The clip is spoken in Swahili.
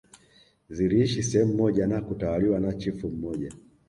Ziliishi sehemu moja na kutawaliwa na chifu mmoja